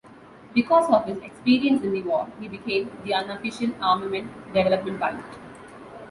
Because of his experience in the war he became the unofficial armament development pilot.